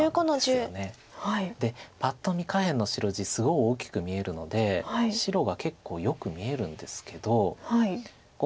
白１５の十。でパッと見下辺の白地すごい大きく見えるので白が結構よく見えるんですけど。